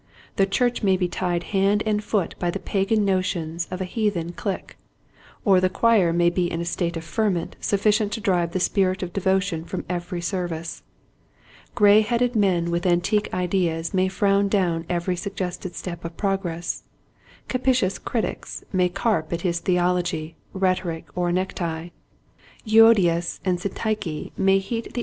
The church may be tied hand and foot by the pagan notions of a heathen clique, or the choir may be in a state of ferment sufficient to drive the spirit of devotion from every service. Gray headed men with antique ideas may frown down every sug gested step of progress, captious critics may carp at his theology, rhetoric or neck tie, Euodias and Syntyche may heat the 138 Quiet Hints to Grozving Preachers.